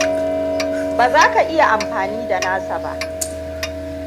Baza ka iya amfani da nasa ba.